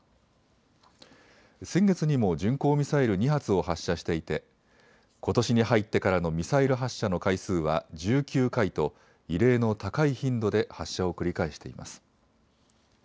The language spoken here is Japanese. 先月にも巡航ミサイル２発を発射していてことしに入ってからのミサイル発射の回数は１９回と異例の高い頻度で発射を繰り返しています。